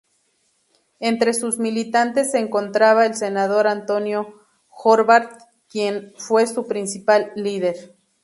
Entre sus militantes se encontraba el senador Antonio Horvath, quien fue su principal líder.